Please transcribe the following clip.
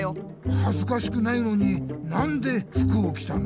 はずかしくないのになんで服をきたの？